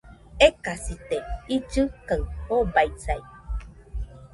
Ekasite, illɨ kaɨ jobaisai